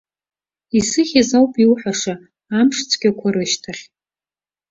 Исыхьыз ауп иуҳәаша амшцәгьақәа рышьҭахь.